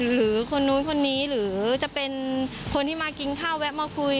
หรือคนนู้นคนนี้หรือจะเป็นคนที่มากินข้าวแวะมาคุย